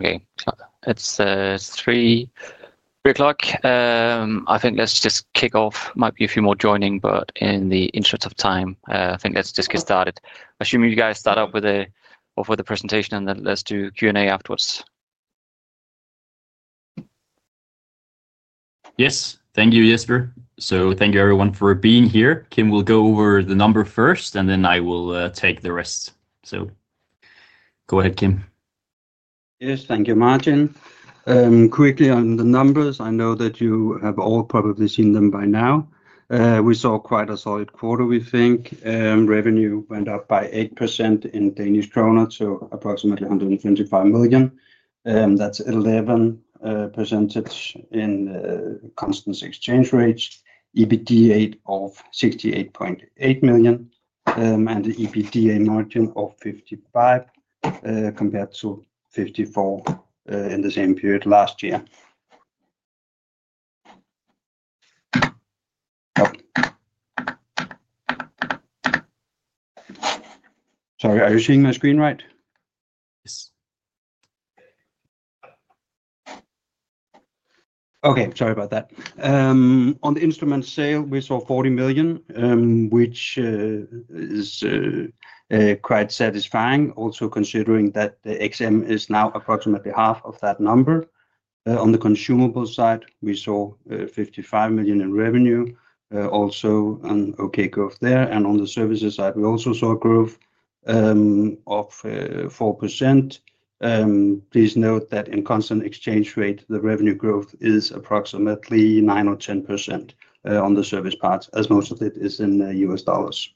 Okay. It is 3:00. I think let's just kick off. Might be a few more joining, but in the interest of time, I think let's just get started. Assuming you guys start up with a presentation, and then let's do Q&A afterwards. Yes. Thank you, Jesper. Thank you, everyone, for being here. Kim will go over the numbers first, and then I will take the rest. Go ahead, Kim. Yes. Thank you, Martin. Quickly on the numbers, I know that you have all probably seen them by now. We saw quite a solid quarter, we think. Revenue went up by 8% in Danish kroner, so approximately 125 million. That's 11% in constant exchange rate, EBITDA of 68.8 million, and the EBITDA margin of 55% compared to 54% in the same period last year. Sorry, are you seeing my screen right? Yes. Okay. Sorry about that. On the instrument sale, we saw 40 million, which is quite satisfying, also considering that the XM is now approximately half of that number. On the consumable side, we saw 55 million in revenue, also an okay growth there. On the services side, we also saw a growth of 4%. Please note that in constant exchange rate, the revenue growth is approximately 9% or 10% on the service parts, as most of it is in US dollars.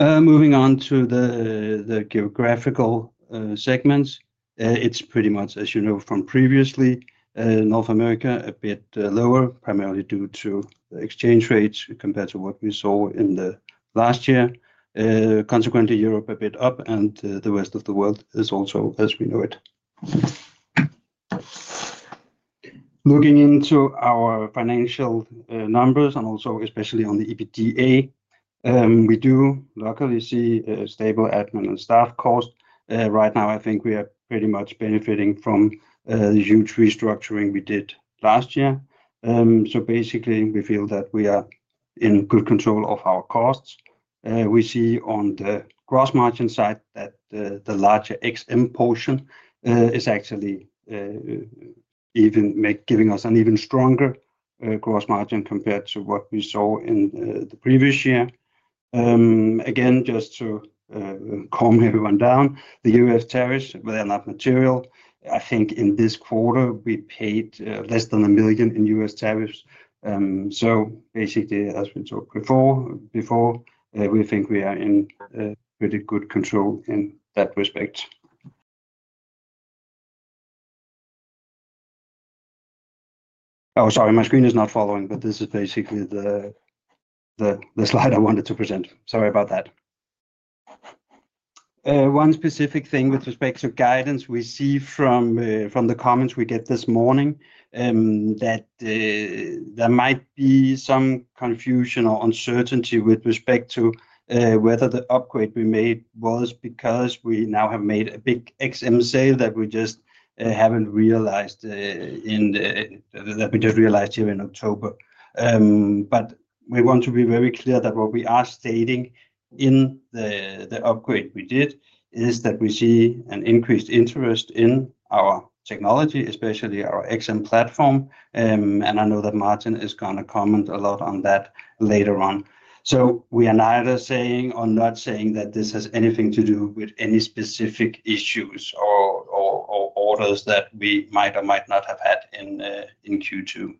Moving on to the geographical segments, it is pretty much, as you know from previously, North America a bit lower, primarily due to the exchange rates compared to what we saw in the last year. Consequently, Europe a bit up, and the rest of the world is also as we know it. Looking into our financial numbers, and also especially on the EBITDA, we do luckily see a stable admin and staff cost. Right now, I think we are pretty much benefiting from the huge restructuring we did last year. So basically, we feel that we are in good control of our costs. We see on the gross margin side that the larger XM portion is actually even giving us an even stronger gross margin compared to what we saw in the previous year. Again, just to calm everyone down, the U.S. tariffs, they're not material. I think in this quarter, we paid less than $1 million in U.S. tariffs. So basically, as we talked before, we think we are in pretty good control in that respect. Oh, sorry, my screen is not following, but this is basically the slide I wanted to present. Sorry about that. One specific thing with respect to guidance, we see from the comments we get this morning that there might be some confusion or uncertainty with respect to whether the upgrade we made was because we now have made a big XM sale that we just realized here in October. We want to be very clear that what we are stating in the upgrade we did is that we see an increased interest in our technology, especially our XM platform. I know that Martin is going to comment a lot on that later on. We are neither saying or not saying that this has anything to do with any specific issues or orders that we might or might not have had in Q2.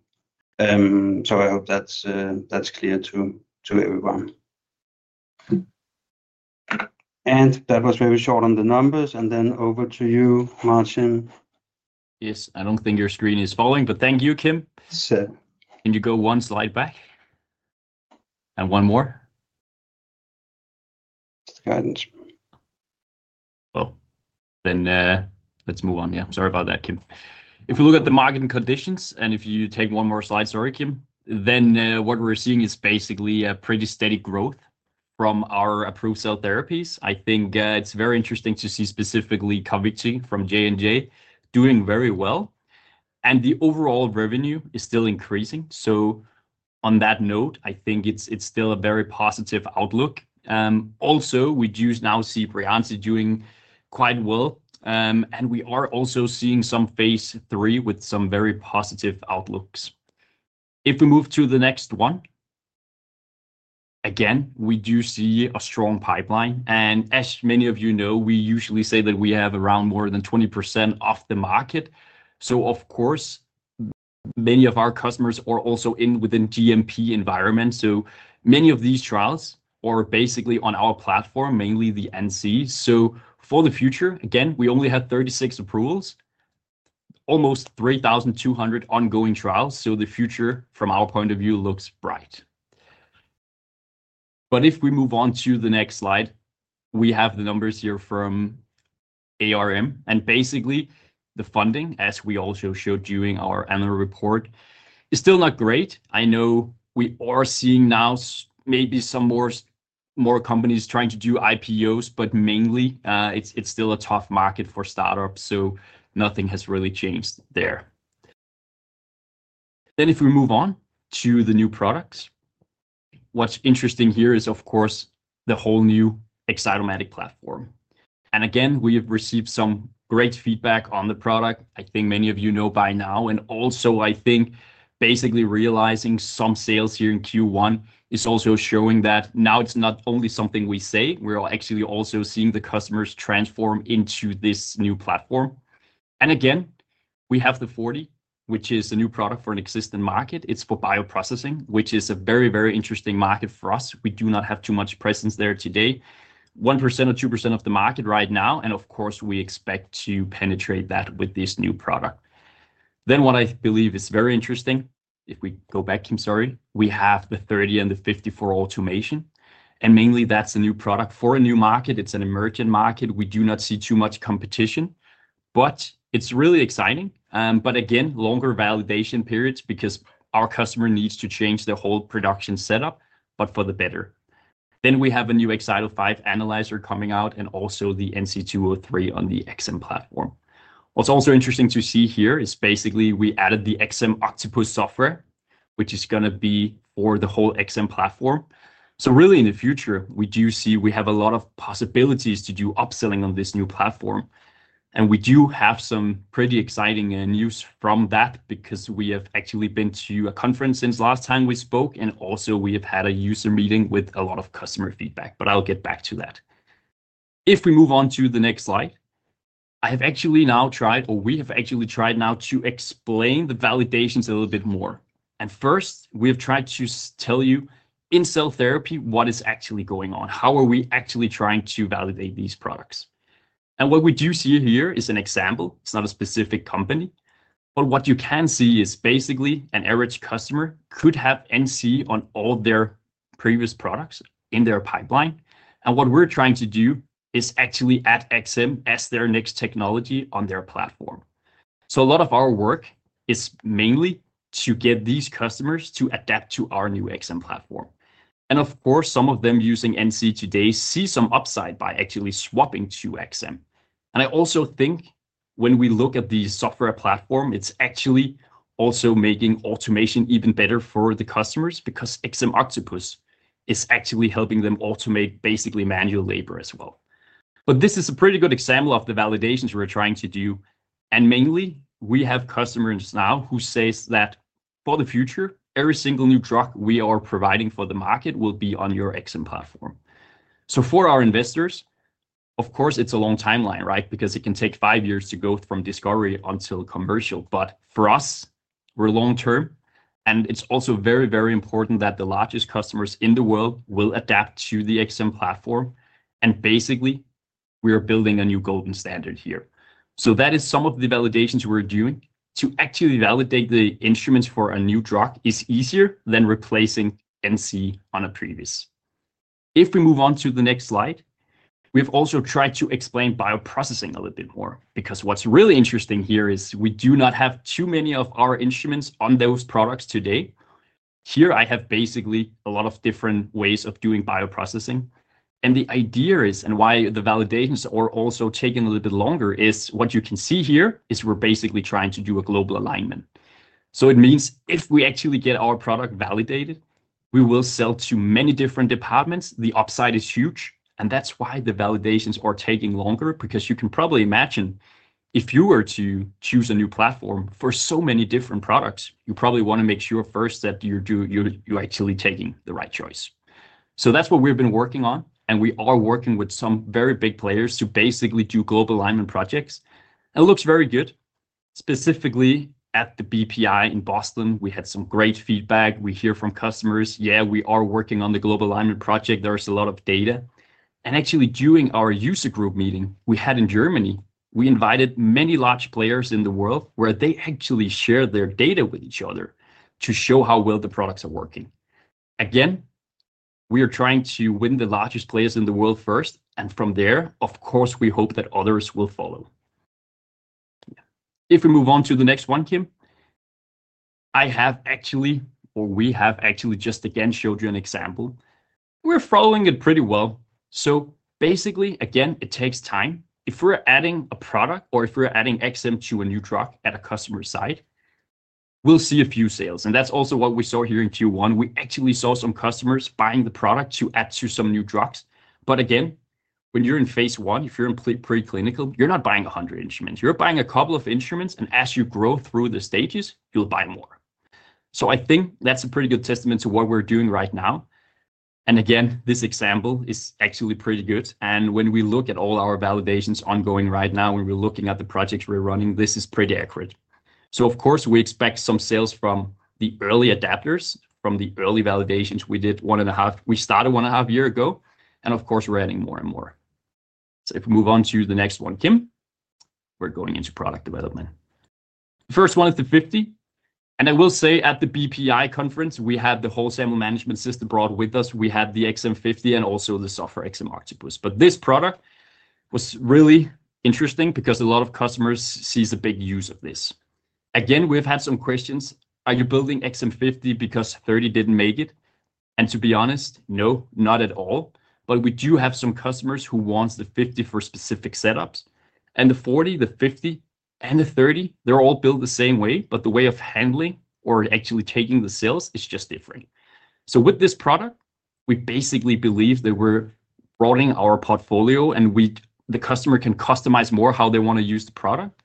I hope that's clear to everyone. That was very short on the numbers. Over to you, Martin. Yes. I don't think your screen is falling, but thank you, Kim. Can you go one slide back? One more? Guidance. Let's move on. Yeah. Sorry about that, Kim. If we look at the market conditions, and if you take one more slide, sorry, Kim, then what we're seeing is basically a pretty steady growth from our approved cell therapies. I think it's very interesting to see specifically Covykti from J&J doing very well. The overall revenue is still increasing. On that note, I think it's still a very positive outlook. Also, we do now see Breyanzi doing quite well. We are also seeing some phase three with some very positive outlooks. If we move to the next one, again, we do see a strong pipeline. As many of you know, we usually say that we have around more than 20% of the market. Of course, many of our customers are also within GMP environments. Many of these trials are basically on our platform, mainly the NCs. For the future, again, we only had 36 approvals, almost 3,200 ongoing trials. The future, from our point of view, looks bright. If we move on to the next slide, we have the numbers here from ARM. Basically, the funding, as we also showed during our annual report, is still not great. I know we are seeing now maybe some more companies trying to do IPOs, but mainly, it's still a tough market for startups. Nothing has really changed there. If we move on to the new products, what's interesting here is, of course, the whole new excitometric platform. Again, we have received some great feedback on the product. I think many of you know by now. I think basically realizing some sales here in Q1 is also showing that now it's not only something we say, we're actually also seeing the customers transform into this new platform. We have the 40, which is a new product for an existing market. It's for bioprocessing, which is a very, very interesting market for us. We do not have too much presence there today, 1% or 2% of the market right now. We expect to penetrate that with this new product. What I believe is very interesting, if we go back, Kim, sorry, we have the 30 and the 54 automation. Mainly, that's a new product for a new market. It's an emerging market. We do not see too much competition, but it's really exciting. Again, longer validation periods because our customer needs to change the whole production setup, but for the better. We have a new Exciter 5 analyzer coming out and also the NC203 on the XM platform. What's also interesting to see here is basically we added the XM Octopus software, which is going to be for the whole XM platform. Really, in the future, we do see we have a lot of possibilities to do upselling on this new platform. We do have some pretty exciting news from that because we have actually been to a conference since last time we spoke. Also, we have had a user meeting with a lot of customer feedback, but I'll get back to that. If we move on to the next slide, I have actually now tried, or we have actually tried now to explain the validations a little bit more. First, we have tried to tell you in cell therapy what is actually going on, how are we actually trying to validate these products. What you do see here is an example. It's not a specific company. What you can see is basically an average customer could have NC on all their previous products in their pipeline. What we're trying to do is actually add XM as their next technology on their platform. A lot of our work is mainly to get these customers to adapt to our new XM platform. Of course, some of them using NC today see some upside by actually swapping to XM. I also think when we look at the software platform, it's actually also making automation even better for the customers because XM Octopus is actually helping them automate basically manual labor as well. This is a pretty good example of the validations we're trying to do. Mainly, we have customers now who say that for the future, every single new drug we are providing for the market will be on your XM platform. For our investors, of course, it's a long timeline, right? It can take five years to go from discovery until commercial. For us, we're long-term. It's also very, very important that the largest customers in the world will adapt to the XM platform. Basically, we are building a new golden standard here. That is some of the validations we're doing. To actually validate the instruments for a new drug is easier than replacing NC on a previous. If we move on to the next slide, we have also tried to explain bioprocessing a little bit more because what's really interesting here is we do not have too many of our instruments on those products today. Here, I have basically a lot of different ways of doing bioprocessing. The idea is, and why the validations are also taking a little bit longer, is what you can see here is we're basically trying to do a global alignment. It means if we actually get our product validated, we will sell to many different departments. The upside is huge. That is why the validations are taking longer because you can probably imagine if you were to choose a new platform for so many different products, you probably want to make sure first that you are actually taking the right choice. That is what we have been working on. We are working with some very big players to basically do global alignment projects. It looks very good. Specifically at the BPI in Boston, we had some great feedback. We hear from customers, "Yeah, we are working on the global alignment project. There is a lot of data." Actually, during our user group meeting we had in Germany, we invited many large players in the world where they actually shared their data with each other to show how well the products are working. Again, we are trying to win the largest players in the world first. From there, of course, we hope that others will follow. If we move on to the next one, Kim, I have actually, or we have actually just again showed you an example. We're following it pretty well. Basically, again, it takes time. If we're adding a product or if we're adding XM to a new drug at a customer's side, we'll see a few sales. That's also what we saw here in Q1. We actually saw some customers buying the product to add to some new drugs. Again, when you're in phase one, if you're in preclinical, you're not buying 100 instruments. You're buying a couple of instruments. As you grow through the stages, you'll buy more. I think that's a pretty good testament to what we're doing right now. Again, this example is actually pretty good. When we look at all our validations ongoing right now, when we're looking at the projects we're running, this is pretty accurate. Of course, we expect some sales from the early adapters, from the early validations we did one and a half. We started one and a half years ago. Of course, we're adding more and more. If we move on to the next one, Kim, we're going into product development. The first one is the 50. I will say at the BPI conference, we had the whole sample management system brought with us. We had the XM50 and also the software XM Octopus. This product was really interesting because a lot of customers see the big use of this. Again, we've had some questions. Are you building XM50 because 30 didn't make it? To be honest, no, not at all. We do have some customers who want the 50 for specific setups. The 40, the 50, and the 30, they're all built the same way. The way of handling or actually taking the sales is just different. With this product, we basically believe that we're broadening our portfolio and the customer can customize more how they want to use the product.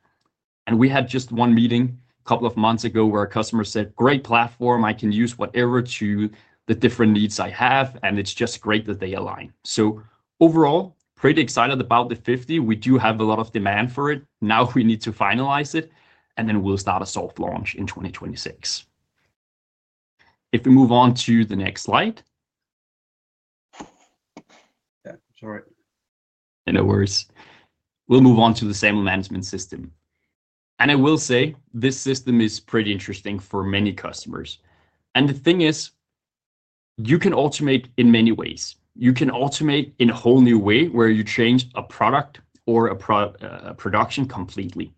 We had just one meeting a couple of months ago where a customer said, "Great platform. I can use whatever to the different needs I have." It is just great that they align. Overall, pretty excited about the 50. We do have a lot of demand for it. Now we need to finalize it. Then we'll start a soft launch in 2026. If we move on to the next slide. Yeah, sorry. No worries. We'll move on to the sample management system. I will say this system is pretty interesting for many customers. The thing is, you can automate in many ways. You can automate in a whole new way where you change a product or a production completely.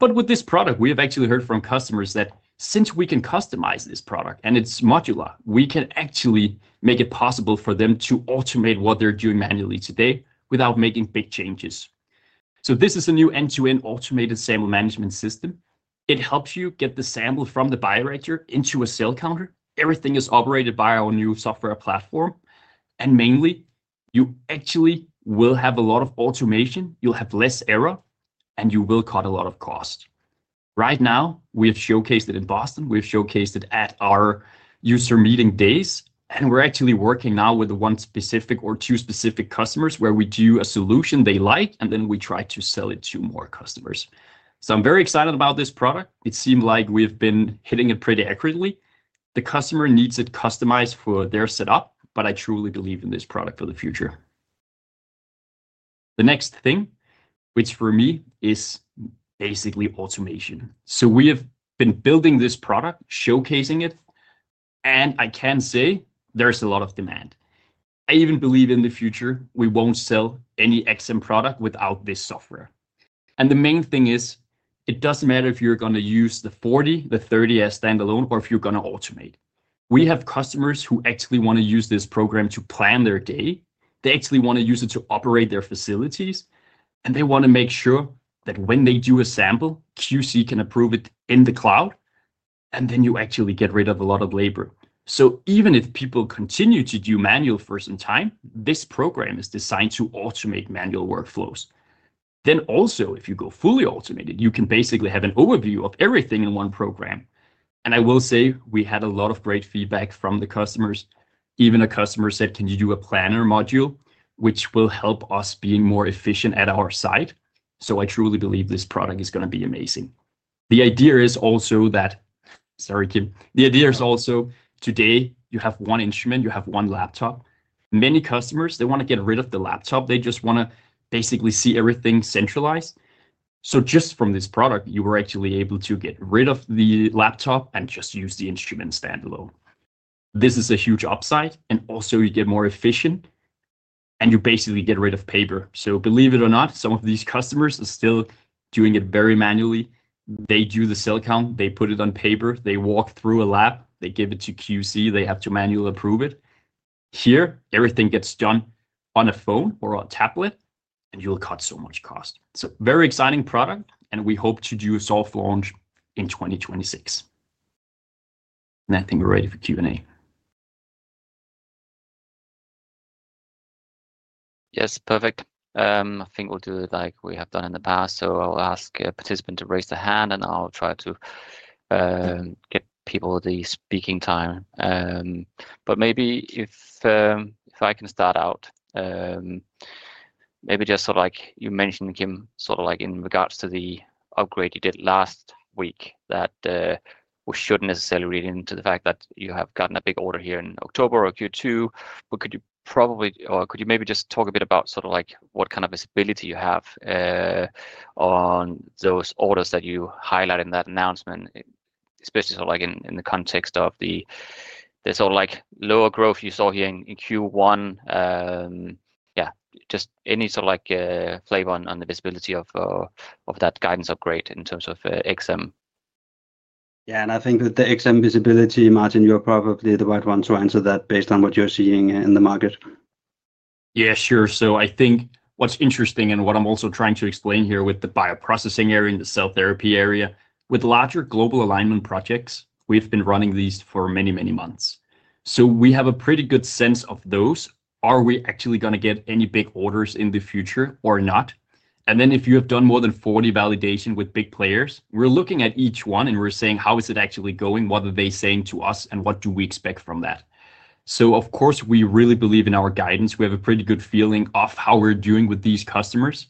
With this product, we have actually heard from customers that since we can customize this product and it's modular, we can actually make it possible for them to automate what they're doing manually today without making big changes. This is a new end-to-end automated sample management system. It helps you get the sample from the bioregister into a cell counter. Everything is operated by our new software platform. Mainly, you actually will have a lot of automation. You'll have less error, and you will cut a lot of cost. Right now, we have showcased it in Boston. We've showcased it at our user meeting days. We're actually working now with one specific or two specific customers where we do a solution they like, and then we try to sell it to more customers. I'm very excited about this product. It seemed like we've been hitting it pretty accurately. The customer needs it customized for their setup, but I truly believe in this product for the future. The next thing, which for me is basically automation. We have been building this product, showcasing it. I can say there's a lot of demand. I even believe in the future we won't sell any XM product without this software. The main thing is it doesn't matter if you're going to use the 40, the 30 as standalone, or if you're going to automate. We have customers who actually want to use this program to plan their day. They actually want to use it to operate their facilities. They want to make sure that when they do a sample, QC can approve it in the cloud. You actually get rid of a lot of labor. Even if people continue to do manual for some time, this program is designed to automate manual workflows. If you go fully automated, you can basically have an overview of everything in one program. I will say we had a lot of great feedback from the customers. Even a customer said, "Can you do a planner module, which will help us be more efficient at our site?" I truly believe this product is going to be amazing. The idea is also that, sorry, Kim, the idea is also today you have one instrument, you have one laptop. Many customers, they want to get rid of the laptop. They just want to basically see everything centralized. Just from this product, you were actually able to get rid of the laptop and just use the instrument standalone. This is a huge upside. Also, you get more efficient, and you basically get rid of paper. Believe it or not, some of these customers are still doing it very manually. They do the cell count, they put it on paper, they walk through a lab, they give it to QC, they have to manually approve it. Here, everything gets done on a phone or a tablet, and you'll cut so much cost. It's a very exciting product, and we hope to do a soft launch in 2026. I think we're ready for Q&A. Yes, perfect. I think we'll do it like we have done in the past. I'll ask a participant to raise their hand, and I'll try to get people the speaking time. Maybe if I can start out, just sort of like you mentioned, Kim, in regards to the upgrade you did last week that we shouldn't necessarily read into the fact that you have gotten a big order here in October or Q2. Could you probably, or could you maybe just talk a bit about what kind of visibility you have on those orders that you highlight in that announcement, especially in the context of the lower growth you saw here in Q1? Yeah, just any flavor on the visibility of that guidance upgrade in terms of XM. Yeah, and I think with the XM visibility, Martin, you're probably the right one to answer that based on what you're seeing in the market. Yeah, sure. I think what's interesting and what I'm also trying to explain here with the bioprocessing area in the cell therapy area, with larger global alignment projects, we've been running these for many, many months. We have a pretty good sense of those. Are we actually going to get any big orders in the future or not? If you have done more than 40 validations with big players, we're looking at each one and we're saying, "How is it actually going? What are they saying to us? What do we expect from that?" Of course, we really believe in our guidance. We have a pretty good feeling of how we're doing with these customers.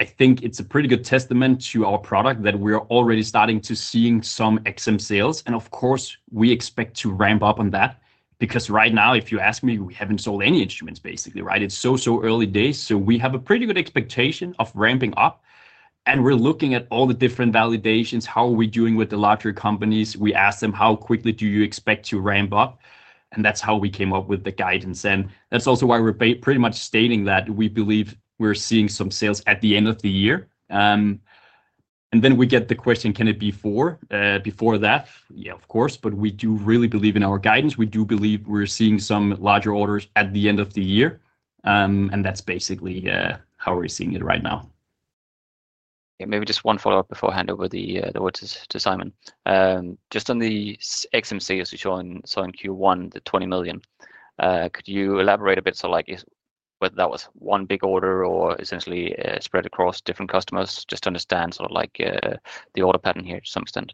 I think it's a pretty good testament to our product that we're already starting to see some XM sales. Of course, we expect to ramp up on that because right now, if you ask me, we have not sold any instruments basically, right? It is so, so early days. We have a pretty good expectation of ramping up. We are looking at all the different validations, how are we doing with the larger companies? We ask them, "How quickly do you expect to ramp up?" That is how we came up with the guidance. That is also why we are pretty much stating that we believe we are seeing some sales at the end of the year. We get the question, "Can it be before?" Before that, yeah, of course, but we do really believe in our guidance. We do believe we are seeing some larger orders at the end of the year. That is basically how we are seeing it right now. Yeah, maybe just one follow-up before I hand over the word to Simon. Just on the XM, as we saw in Q1, the 20 million, could you elaborate a bit like whether that was one big order or essentially spread across different customers? Just to understand sort of like the order pattern here to some extent.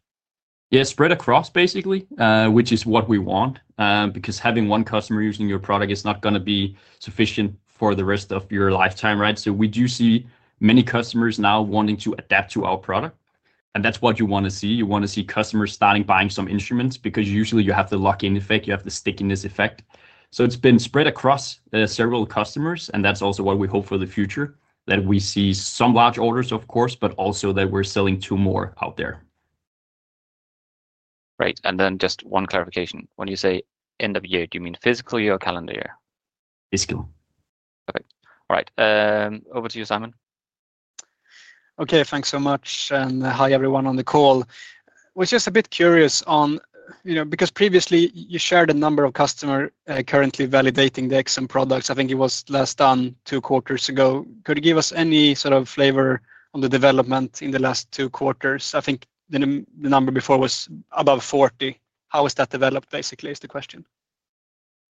Yeah, spread across basically, which is what we want because having one customer using your product is not going to be sufficient for the rest of your lifetime, right? We do see many customers now wanting to adapt to our product. That is what you want to see. You want to see customers starting buying some instruments because usually you have the lock-in effect, you have the stickiness effect. It has been spread across several customers. That is also what we hope for the future, that we see some large orders, of course, but also that we are selling to more out there. Great. And then just one clarification. When you say end of year, do you mean fiscal year or calendar year? Physical. Perfect. All right. Over to you, Simon. Okay, thanks so much. Hi, everyone on the call. We're just a bit curious on because previously you shared a number of customers currently validating the XM products. I think it was last done two quarters ago. Could you give us any sort of flavor on the development in the last two quarters? I think the number before was above 40. How has that developed basically is the question.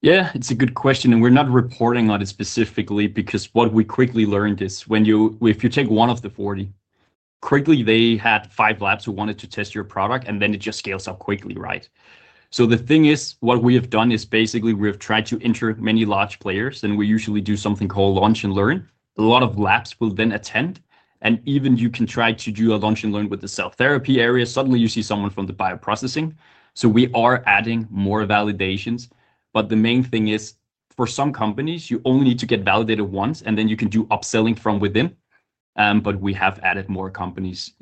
Yeah, it's a good question. We're not reporting on it specifically because what we quickly learned is when you, if you take one of the 40, quickly they had five labs who wanted to test your product, and then it just scales up quickly, right? The thing is, what we have done is basically we have tried to enter many large players, and we usually do something called launch and learn. A lot of labs will then attend. Even you can try to do a launch and learn with the cell therapy area. Suddenly you see someone from the bioprocessing. We are adding more validations. The main thing is for some companies, you only need to get validated once, and then you can do upselling from within. We have added more companies.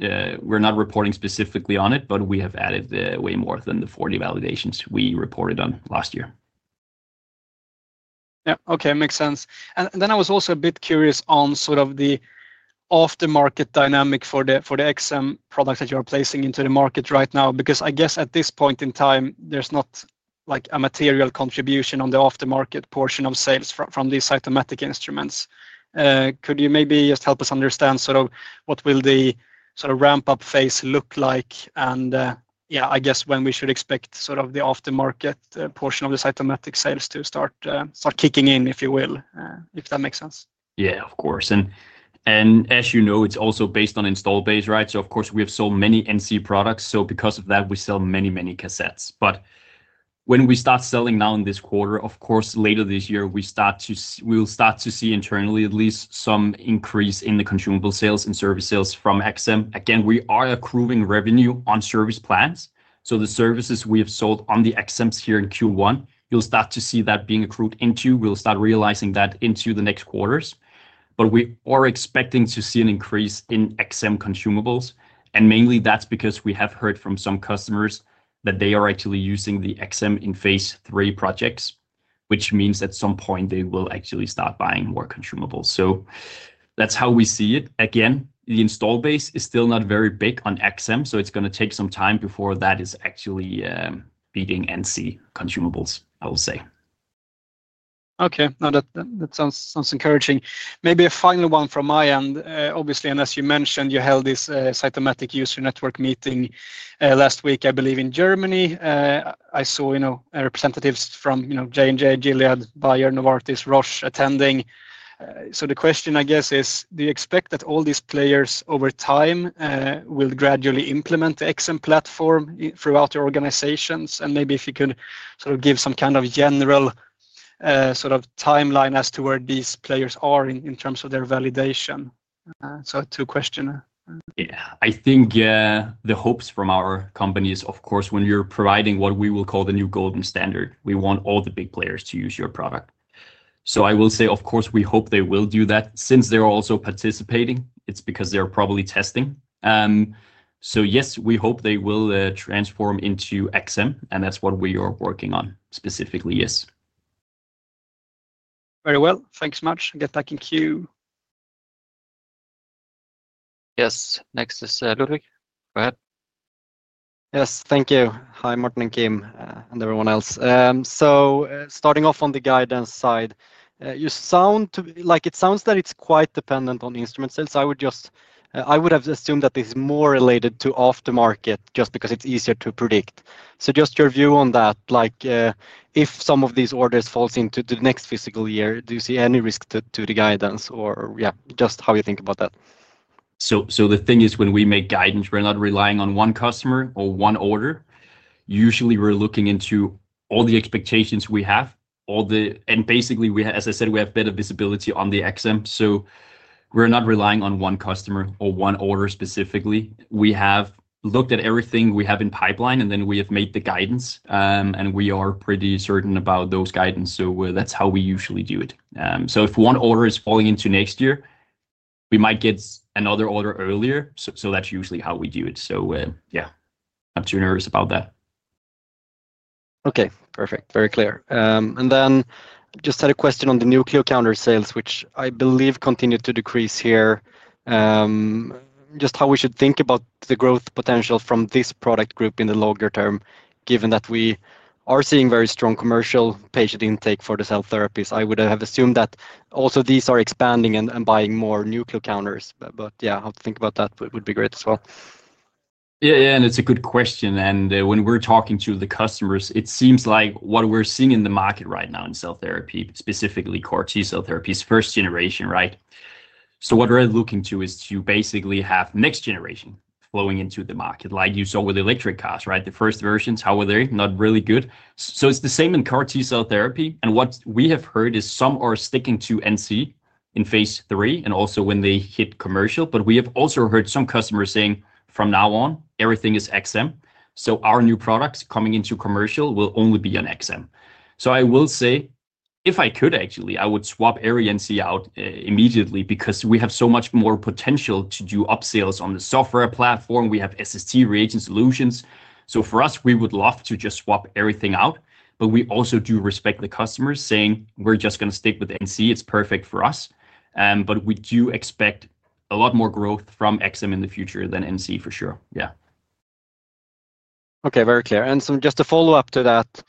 We're not reporting specifically on it, but we have added way more than the 40 validations we reported on last year. Yeah, okay, makes sense. I was also a bit curious on sort of the aftermarket dynamic for the XM products that you are placing into the market right now because I guess at this point in time, there's not like a material contribution on the aftermarket portion of sales from these cytometric instruments. Could you maybe just help us understand sort of what will the sort of ramp-up phase look like? I guess when we should expect sort of the aftermarket portion of the cytometric sales to start kicking in, if you will, if that makes sense. Yeah, of course. As you know, it's also based on install base, right? Of course, we have so many NC products. Because of that, we sell many, many cassettes. When we start selling now in this quarter, later this year, we will start to see internally at least some increase in the consumable sales and service sales from XM. Again, we are accruing revenue on service plans. The services we have sold on the XMs here in Q1, you'll start to see that being accrued into. We'll start realizing that into the next quarters. We are expecting to see an increase in XM consumables. Mainly that's because we have heard from some customers that they are actually using the XM in phase three projects, which means at some point they will actually start buying more consumables. That's how we see it. Again, the install base is still not very big on XM. So it's going to take some time before that is actually beating NC consumables, I will say. Okay, no, that sounds encouraging. Maybe a final one from my end. Obviously, and as you mentioned, you held this cytometric user network meeting last week, I believe, in Germany. I saw representatives from J&J, Gilead, Bayer, Novartis, Roche attending. The question, I guess, is do you expect that all these players over time will gradually implement the XM platform throughout your organizations? Maybe if you could sort of give some kind of general sort of timeline as to where these players are in terms of their validation. Two questions. Yeah, I think the hopes from our companies, of course, when you're providing what we will call the new golden standard, we want all the big players to use your product. I will say, of course, we hope they will do that since they're also participating. It's because they're probably testing. Yes, we hope they will transform into XM. That's what we are working on specifically, yes. Very well. Thanks so much. I'll get back in queue. Yes, next is Ludwig. Go ahead. Yes, thank you. Hi, Martin and Kim and everyone else. Starting off on the guidance side, it sounds that it's quite dependent on instrument sales. I would have assumed that this is more related to aftermarket just because it's easier to predict. Just your view on that, like if some of these orders fall into the next fiscal year, do you see any risk to the guidance or yeah, just how you think about that? The thing is when we make guidance, we're not relying on one customer or one order. Usually, we're looking into all the expectations we have. Basically, as I said, we have better visibility on the XM. We're not relying on one customer or one order specifically. We have looked at everything we have in pipeline, and then we have made the guidance. We are pretty certain about those guidance. That's how we usually do it. If one order is falling into next year, we might get another order earlier. That's usually how we do it. Yeah, not too nervous about that. Okay, perfect. Very clear. I just had a question on the NucleoCounter sales, which I believe continue to decrease here. Just how we should think about the growth potential from this product group in the longer term, given that we are seeing very strong commercial patient intake for the cell therapies. I would have assumed that also these are expanding and buying more NucleoCounters. Yeah, how to think about that would be great as well. Yeah, yeah, and it's a good question. When we're talking to the customers, it seems like what we're seeing in the market right now in cell therapy, specifically CAR-T cell therapies, first generation, right? What we're looking to is to basically have next generation flowing into the market, like you saw with electric cars, right? The first versions, how were they? Not really good. It's the same in CAR-T cell therapy. What we have heard is some are sticking to NC in phase three and also when they hit commercial. We have also heard some customers saying from now on, everything is XM. Our new products coming into commercial will only be on XM. I will say, if I could actually, I would swap every NC out immediately because we have so much more potential to do upsales on the software platform. We have SST reagent solutions. For us, we would love to just swap everything out. We also do respect the customers saying, "We're just going to stick with NC. It's perfect for us." We do expect a lot more growth from XM in the future than NC for sure. Yeah. Okay, very clear. Just to follow up to that,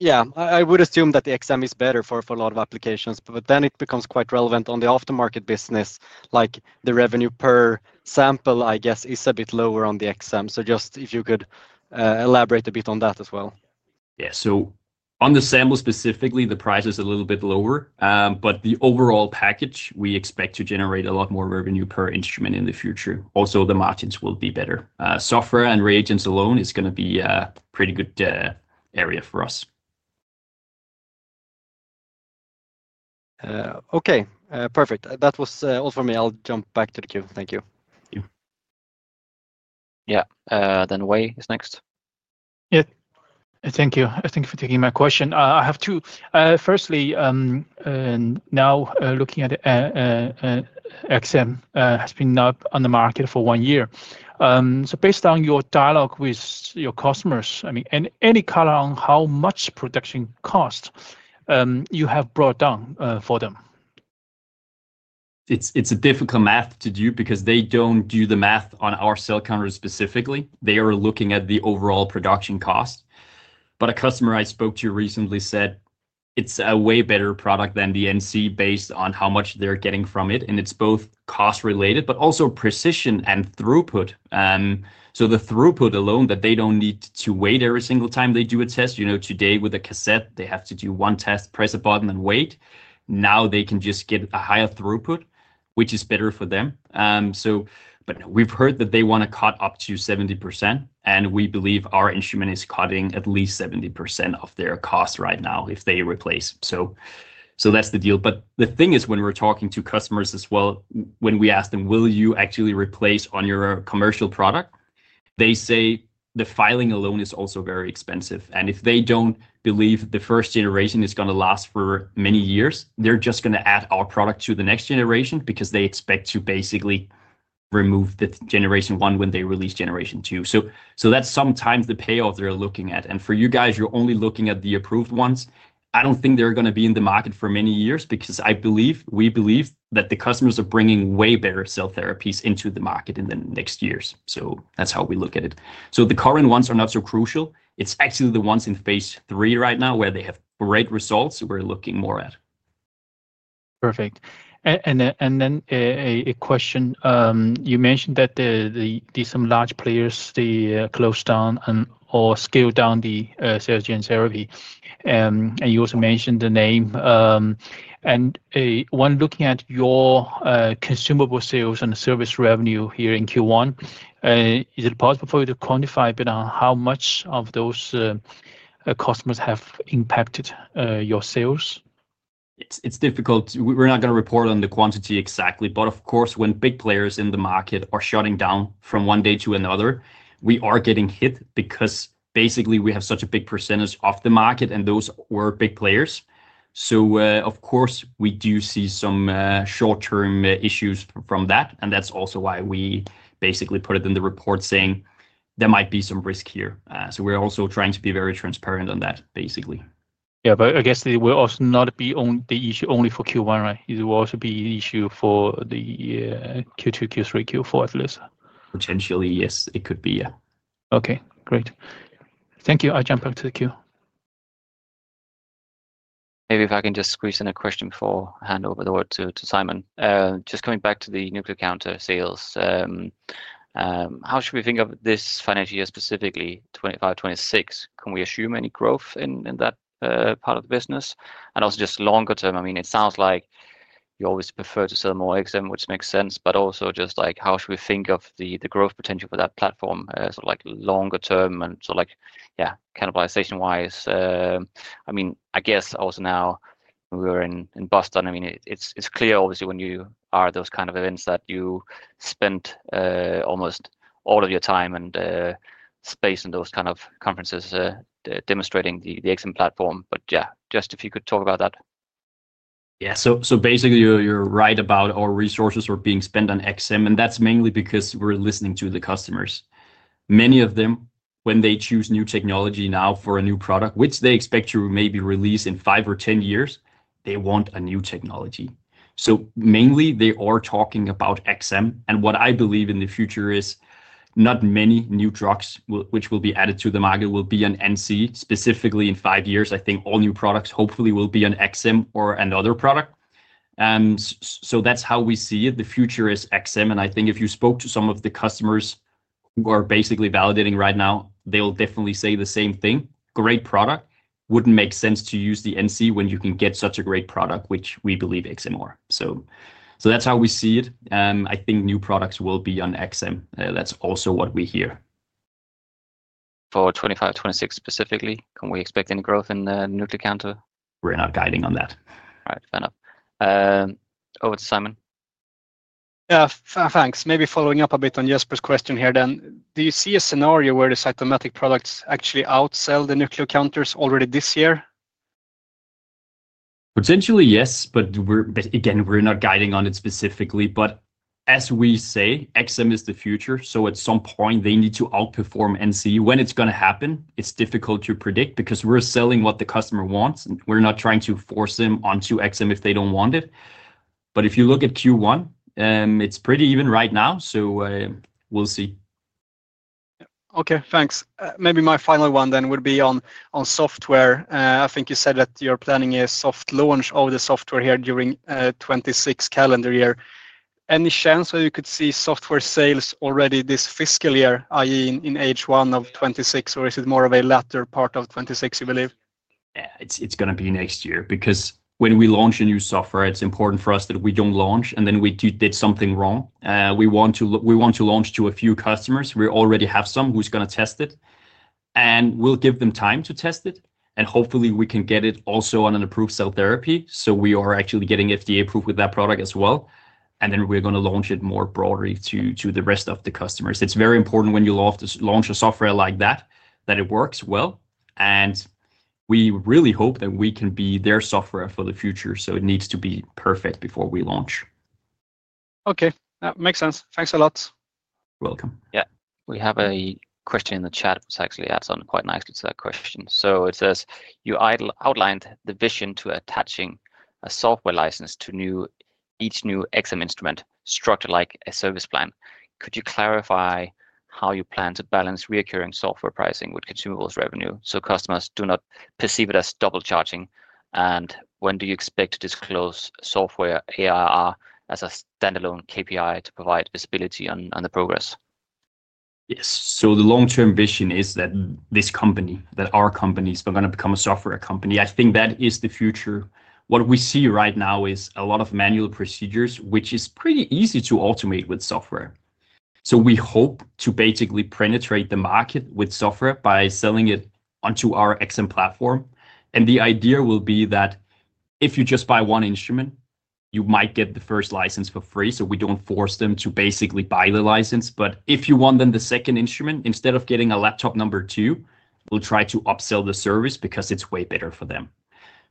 yeah, I would assume that the XM is better for a lot of applications, but then it becomes quite relevant on the aftermarket business. The revenue per sample, I guess, is a bit lower on the XM. If you could elaborate a bit on that as well. Yeah, so on the sample specifically, the price is a little bit lower. The overall package, we expect to generate a lot more revenue per instrument in the future. Also, the margins will be better. Software and reagents alone is going to be a pretty good area for us. Okay, perfect. That was all for me. I'll jump back to the queue. Thank you. Yeah, then Wei is next. Yeah, thank you. Thank you for taking my question. I have two. Firstly, now looking at XM has been on the market for one year. So based on your dialogue with your customers, I mean, any color on how much production cost you have brought down for them? It's a difficult math to do because they don't do the math on our cell counter specifically. They are looking at the overall production cost. A customer I spoke to recently said it's a way better product than the NC based on how much they're getting from it. It's both cost-related, but also precision and throughput. The throughput alone that they don't need to wait every single time they do a test. Today with a cassette, they have to do one test, press a button, and wait. Now they can just get a higher throughput, which is better for them. We've heard that they want to cut up to 70%. We believe our instrument is cutting at least 70% of their cost right now if they replace. That's the deal. The thing is when we're talking to customers as well, when we ask them, "Will you actually replace on your commercial product?" they say the filing alone is also very expensive. If they do not believe the first generation is going to last for many years, they are just going to add our product to the next generation because they expect to basically remove the generation one when they release generation two. That is sometimes the payoff they are looking at. For you guys, you are only looking at the approved ones. I do not think they are going to be in the market for many years because I believe we believe that the customers are bringing way better cell therapies into the market in the next years. That is how we look at it. The current ones are not so crucial. It's actually the ones in phase three right now where they have great results we're looking more at. Perfect. A question. You mentioned that some large players close down and/or scale down the cell gen therapy. You also mentioned the name. When looking at your consumable sales and service revenue here in Q1, is it possible for you to quantify how much of those customers have impacted your sales? It's difficult. We're not going to report on the quantity exactly. Of course, when big players in the market are shutting down from one day to another, we are getting hit because basically we have such a big percentage of the market and those were big players. Of course, we do see some short-term issues from that. That's also why we basically put it in the report saying there might be some risk here. We're also trying to be very transparent on that, basically. Yeah, but I guess it will also not be the issue only for Q1, right? It will also be an issue for the Q2, Q3, Q4 at least? Potentially, yes, it could be, yeah. Okay, great. Thank you. I'll jump back to the queue. Maybe if I can just squeeze in a question before I hand over the word to Simon. Just coming back to the nuclear counter sales, how should we think of this financial year specifically, 2025, 2026? Can we assume any growth in that part of the business? Also just longer term, I mean, it sounds like you always prefer to sell more XM, which makes sense. Also just like how should we think of the growth potential for that platform? Like longer term and like yeah, cannibalization-wise. I mean, I guess also now we're in Boston. I mean, it's clear obviously when you are at those kind of events that you spend almost all of your time and space in those kind of conferences demonstrating the XM platform. Yeah, just if you could talk about that. Yeah, so basically you're right about our resources are being spent on XM. That's mainly because we're listening to the customers. Many of them, when they choose new technology now for a new product, which they expect to maybe release in five or ten years, they want a new technology. Mainly they are talking about XM. What I believe in the future is not many new drugs which will be added to the market will be on NC specifically in five years. I think all new products hopefully will be on XM or another product. That's how we see it. The future is XM. I think if you spoke to some of the customers who are basically validating right now, they'll definitely say the same thing. Great product. Wouldn't make sense to use the NC when you can get such a great product, which we believe XM are. That is how we see it. I think new products will be on XM. That is also what we hear. For 2025, 2026 specifically, can we expect any growth in the NucleoCounter? We're not guiding on that. All right, fair enough. Over to Simon. Yeah, thanks. Maybe following up a bit on Jesper's question here then. Do you see a scenario where the cytometric products actually outsell the nuclear counters already this year? Potentially, yes. Again, we're not guiding on it specifically. As we say, XM is the future. At some point, they need to outperform NC. When it's going to happen, it's difficult to predict because we're selling what the customer wants. We're not trying to force them onto XM if they don't want it. If you look at Q1, it's pretty even right now. We'll see. Okay, thanks. Maybe my final one then would be on software. I think you said that you're planning a soft launch of the software here during the 2026 calendar year. Any chance that you could see software sales already this fiscal year, i.e., in H1 of 2026, or is it more of a latter part of 2026, you believe? Yeah, it's going to be next year because when we launch a new software, it's important for us that we don't launch and then we did something wrong. We want to launch to a few customers. We already have some who's going to test it. We'll give them time to test it. Hopefully we can get it also on an approved cell therapy. We are actually getting FDA approved with that product as well. We're going to launch it more broadly to the rest of the customers. It's very important when you launch a software like that, that it works well. We really hope that we can be their software for the future. It needs to be perfect before we launch. Okay, that makes sense. Thanks a lot. You're welcome. Yeah, we have a question in the chat which actually adds on quite nicely to that question. It says, "You outlined the vision to attaching a software license to each new XM instrument structured like a service plan. Could you clarify how you plan to balance reoccurring software pricing with consumables revenue so customers do not perceive it as double charging? And when do you expect to disclose software AIR as a standalone KPI to provide visibility on the progress? Yes, so the long-term vision is that this company, that our company, is going to become a software company. I think that is the future. What we see right now is a lot of manual procedures, which is pretty easy to automate with software. We hope to basically penetrate the market with software by selling it onto our XM platform. The idea will be that if you just buy one instrument, you might get the first license for free. We do not force them to basically buy the license. If you want then the second instrument, instead of getting a laptop number two, we will try to upsell the service because it is way better for them.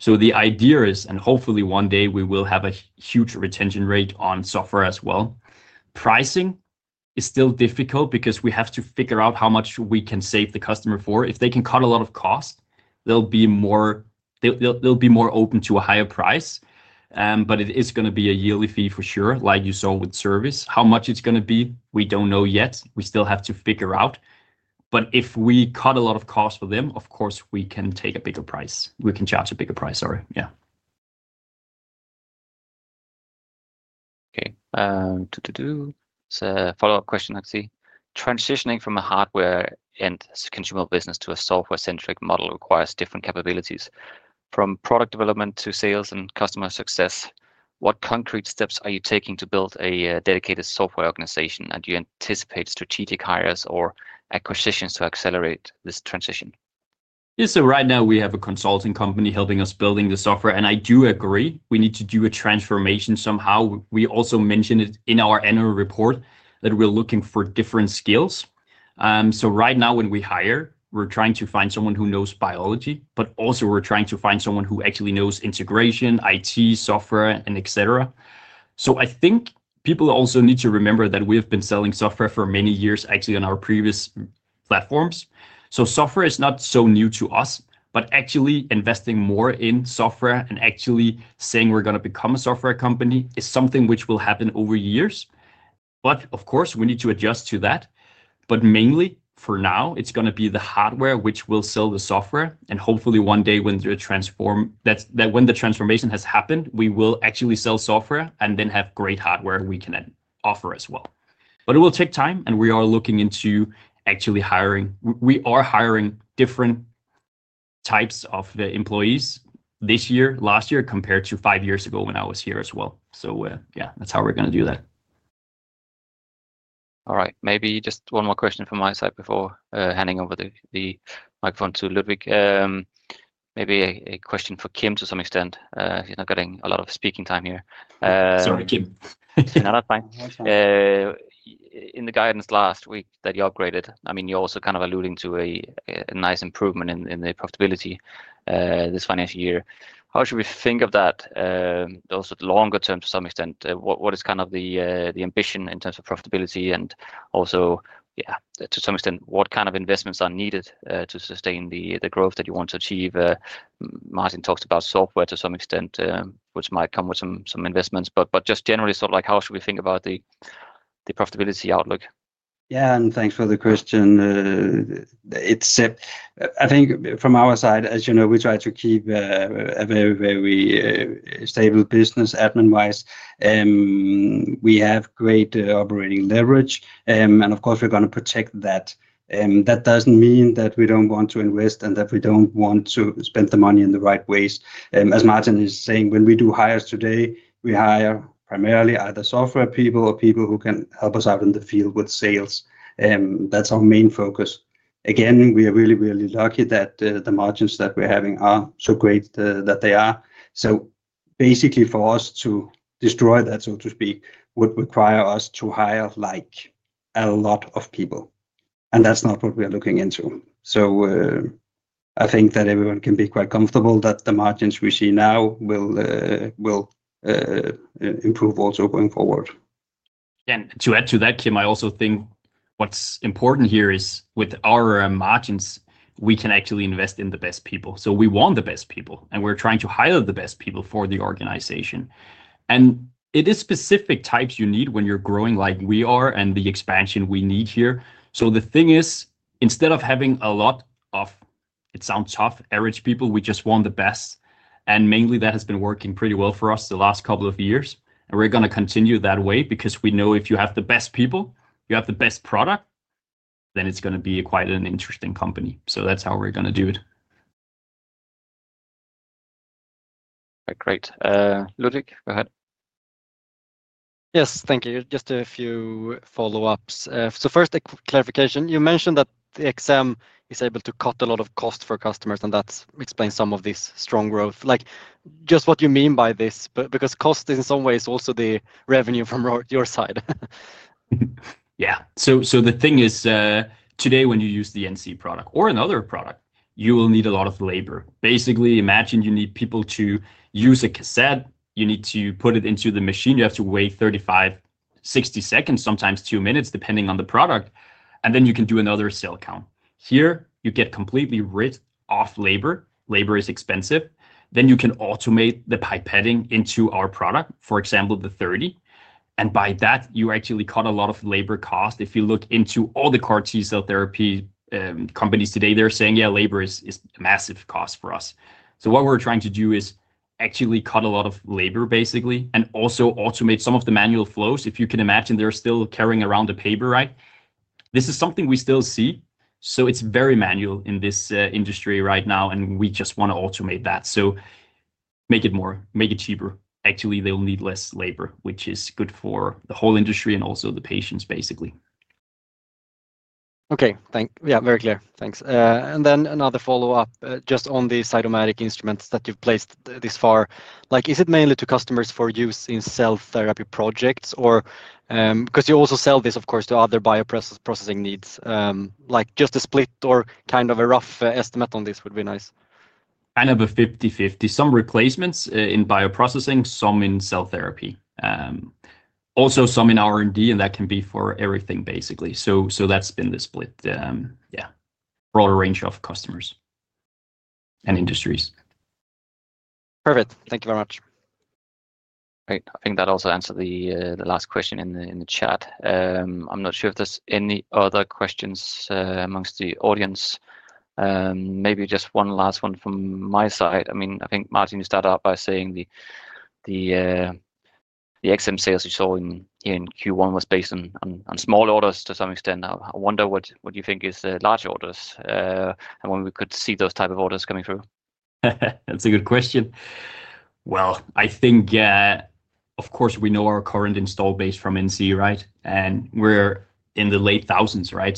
The idea is, and hopefully one day we will have a huge retention rate on software as well. Pricing is still difficult because we have to figure out how much we can save the customer for. If they can cut a lot of cost, they'll be more open to a higher price. It is going to be a yearly fee for sure, like you saw with service. How much it's going to be, we don't know yet. We still have to figure out. If we cut a lot of cost for them, of course we can take a bigger price. We can charge a bigger price, sorry. Yeah. Okay, follow-up question, I see. Transitioning from a hardware and consumable business to a software-centric model requires different capabilities. From product development to sales and customer success, what concrete steps are you taking to build a dedicated software organization? Do you anticipate strategic hires or acquisitions to accelerate this transition? Right now we have a consulting company helping us building the software. I do agree. We need to do a transformation somehow. We also mentioned it in our annual report that we're looking for different skills. Right now when we hire, we're trying to find someone who knows biology. We're also trying to find someone who actually knows integration, IT, software, and etc. I think people also need to remember that we have been selling software for many years actually on our previous platforms. Software is not so new to us. Actually investing more in software and actually saying we're going to become a software company is something which will happen over years. Of course we need to adjust to that. Mainly for now, it's going to be the hardware which will sell the software. Hopefully one day when the transformation has happened, we will actually sell software and then have great hardware we can offer as well. It will take time and we are looking into actually hiring. We are hiring different types of employees this year, last year compared to five years ago when I was here as well. Yeah, that's how we're going to do that. All right, maybe just one more question from my side before handing over the microphone to Ludwig. Maybe a question for Kim to some extent. He's not getting a lot of speaking time here. Sorry, Kim. No, that's fine. In the guidance last week that you upgraded, I mean, you're also kind of alluding to a nice improvement in the profitability this financial year. How should we think of that? Also longer term to some extent. What is kind of the ambition in terms of profitability? And also, yeah, to some extent, what kind of investments are needed to sustain the growth that you want to achieve? Martin talked about software to some extent, which might come with some investments. But just generally sort of like how should we think about the profitability outlook? Yeah, and thanks for the question. I think from our side, as you know, we try to keep a very, very stable business admin-wise. We have great operating leverage. Of course, we're going to protect that. That doesn't mean that we don't want to invest and that we don't want to spend the money in the right ways. As Martin is saying, when we do hires today, we hire primarily either software people or people who can help us out in the field with sales. That's our main focus. Again, we are really, really lucky that the margins that we're having are so great that they are. So basically for us to destroy that, so to speak, would require us to hire like a lot of people. That's not what we are looking into. I think that everyone can be quite comfortable that the margins we see now will improve also going forward. To add to that, Kim, I also think what's important here is with our margins, we can actually invest in the best people. We want the best people. We're trying to hire the best people for the organization. It is specific types you need when you're growing like we are and the expansion we need here. The thing is, instead of having a lot of, it sounds tough, average people, we just want the best. Mainly that has been working pretty well for us the last couple of years. We're going to continue that way because we know if you have the best people, you have the best product, then it's going to be quite an interesting company. That's how we're going to do it. Great. Ludwig, go ahead. Yes, thank you. Just a few follow-ups. First, a clarification. You mentioned that XM is able to cut a lot of cost for customers. That explains some of this strong growth. Just what you mean by this, because cost is in some ways also the revenue from your side. Yeah, so the thing is, today when you use the NC product or another product, you will need a lot of labor. Basically, imagine you need people to use a cassette. You need to put it into the machine. You have to wait 35, 60 seconds, sometimes two minutes depending on the product. Then you can do another cell count. Here, you get completely rid of labor. Labor is expensive. You can automate the pipetting into our product, for example, the 30. By that, you actually cut a lot of labor cost. If you look into all the CAR-T cell therapy companies today, they're saying, yeah, labor is a massive cost for us. What we're trying to do is actually cut a lot of labor, basically, and also automate some of the manual flows. If you can imagine, they're still carrying around the paper, right? This is something we still see. It is very manual in this industry right now. We just want to automate that, make it cheaper. Actually, they will need less labor, which is good for the whole industry and also the patients, basically. Okay, yeah, very clear. Thanks. Then another follow-up just on the cytometric instruments that you've placed this far. Is it mainly to customers for use in cell therapy projects? Because you also sell this, of course, to other bioprocessing needs. Just a split or kind of a rough estimate on this would be nice. Kind of a 50-50. Some replacements in bioprocessing, some in cell therapy. Also some in R&D. That can be for everything, basically. That's been the split. Yeah, broader range of customers and industries. Perfect. Thank you very much. Great. I think that also answered the last question in the chat. I'm not sure if there's any other questions amongst the audience. Maybe just one last one from my side. I mean, I think Martin, you started out by saying the XM sales you saw here in Q1 was based on small orders to some extent. I wonder what you think is large orders and when we could see those types of orders coming through. That's a good question. I think, of course, we know our current install base from NC, right? And we're in the late thousands, right?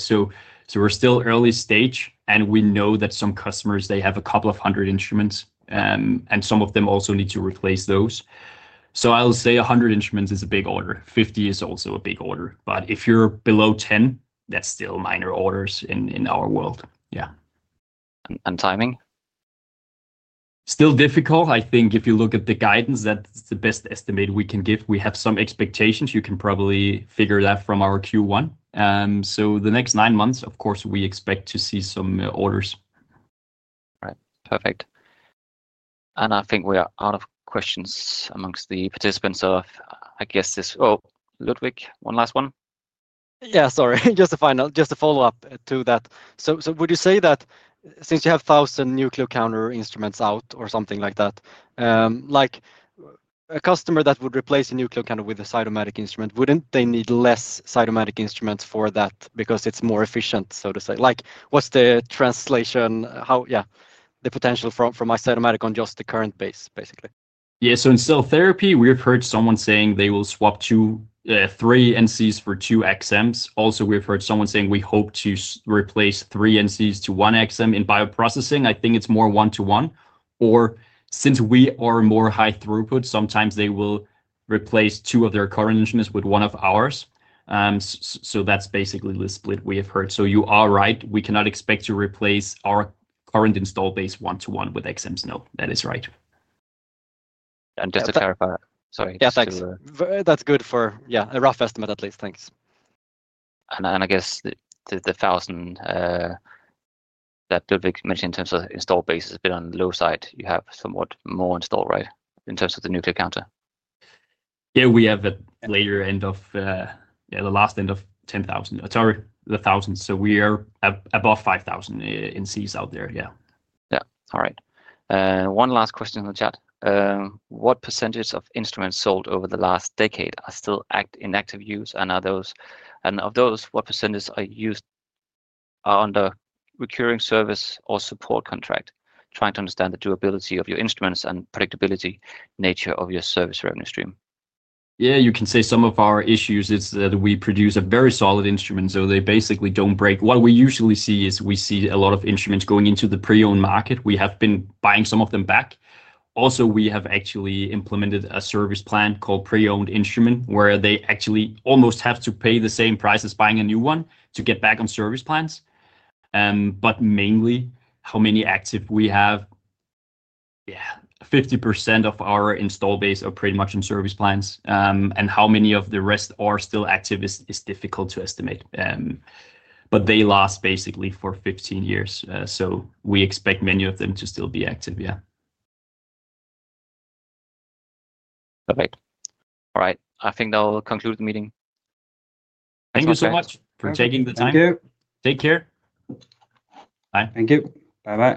We're still early stage. We know that some customers, they have a couple of hundred instruments. Some of them also need to replace those. I'll say 100 instruments is a big order. 50 is also a big order. If you're below 10, that's still minor orders in our world. Yeah. And timing? Still difficult. I think if you look at the guidance, that's the best estimate we can give. We have some expectations. You can probably figure that from our Q1. The next nine months, of course, we expect to see some orders. Right, perfect. I think we are out of questions amongst the participants. I guess this, oh, Ludwig, one last one? Yeah, sorry. Just a final, just a follow-up to that. Would you say that since you have 1,000 NucleoCounter instruments out or something like that, a customer that would replace a NucleoCounter with a cytometric instrument, would not they need fewer cytometric instruments for that because it is more efficient, so to say? What is the translation, yeah, the potential from cytometric on just the current base, basically? Yeah, so in cell therapy, we've heard someone saying they will swap three NCs for two XMs. Also, we've heard someone saying we hope to replace three NCs to one XM in bioprocessing. I think it's more one-to-one. Or since we are more high throughput, sometimes they will replace two of their current instruments with one of ours. That's basically the split we have heard. You are right. We cannot expect to replace our current install base one-to-one with XMs. No, that is right. Just to clarify, sorry. Yeah, thanks. That's good for, yeah, a rough estimate at least. Thanks. I guess the 1,000 that Ludwig mentioned in terms of install base has been on the low side. You have somewhat more install, right, in terms of the NucleoCounter? Yeah, we have at the later end of the last end of 10,000, sorry, the 1,000. So we are above 5,000 NCs out there. Yeah. Yeah, all right. One last question in the chat. What percentage of instruments sold over the last decade are still in active use? And of those, what percentage are used under recurring service or support contract? Trying to understand the durability of your instruments and predictability nature of your service revenue stream. Yeah, you can say some of our issues is that we produce a very solid instrument. So they basically don't break. What we usually see is we see a lot of instruments going into the pre-owned market. We have been buying some of them back. Also, we have actually implemented a service plan called pre-owned instrument where they actually almost have to pay the same price as buying a new one to get back on service plans. Mainly how many active we have, yeah, 50% of our install base are pretty much in service plans. How many of the rest are still active is difficult to estimate. They last basically for 15 years. We expect many of them to still be active. Yeah. Perfect. All right, I think that'll conclude the meeting. Thank you so much for taking the time. Thank you. Take care. Bye. Thank you. Bye-bye.